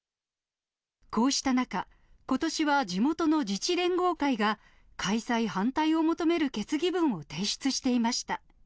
こうした中、ことしは地元の自治連合会が、開催反対を求める決議文を提出していました。